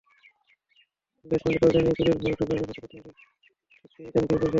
বেসমেন্টের দরজা দিয়ে চোরের ঘরে ঢোকার ব্যাপারটি প্রথমে ঠিক পেয়ে যান গৃহপরিচারিকা।